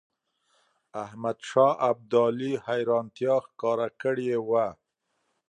احمدشاه ابدالي حیرانیتا ښکاره کړې وه.